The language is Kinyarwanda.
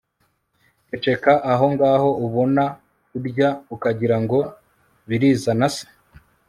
ceceka aho ngaho, ubona urya ukagira ngo birizana se!